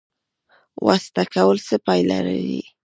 واسطه کول څه پایله لري؟